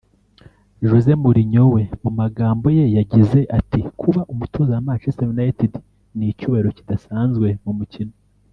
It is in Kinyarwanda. José Mourinho we mu magambo ye yagize ati “Kuba umutoza wa Manchester United ni icyubahiro kidasanzwe mu mukino